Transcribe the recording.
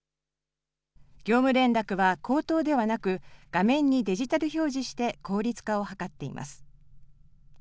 業務連絡は口頭ではなく、画面にデジタル表示して、効率化を図っています。